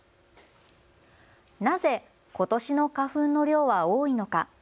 なぜことしの花粉の量は多いのか。